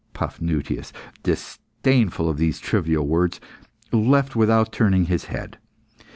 Paphnutius, disdainful of these trivial words, left without turning his head.